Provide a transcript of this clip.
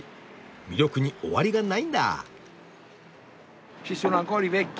魅力に終わりがないんだ！